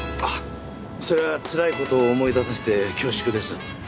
それはつらい事を思い出させて恐縮です。